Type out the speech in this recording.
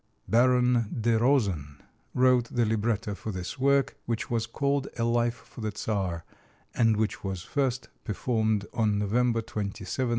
Baron de Rosen wrote the libretto for this work, which was called "A Life for the Czar," and which was first performed on November 27, 1836.